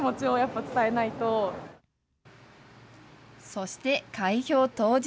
そして、開票当日。